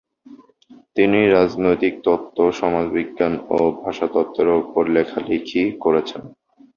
তিনি রাজনৈতিক তত্ত্ব, সমাজবিজ্ঞান ও ভাষাতত্ত্বের ওপর লেখালিখি করেছেন।